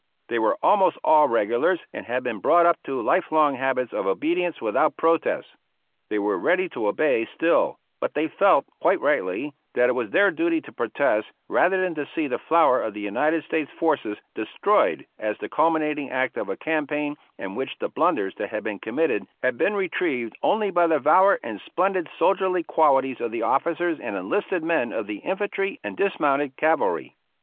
They were almost all regulars and had been brought up to life long habits of obedience without protest. They were ready to obey still, but they felt, quite rightly, that it was their duty to protest rather than to see the flower of the United States forces destroyed as the culminating act of a campaign in which the blunders that had been committed had been retrieved only by the valor and splendid soldierly qualities of the officers and enlisted men of the infantry and dismounted cavalry.